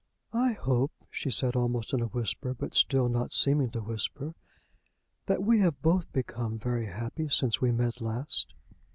"I hope," she said, almost in a whisper, but still not seeming to whisper, "that we have both become very happy since we met last."